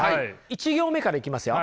１行目から行きますよ。